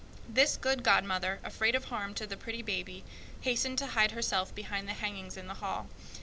This good godmother, afraid of harm to the pretty baby, hastened to hide herself behind the hangings in the hall.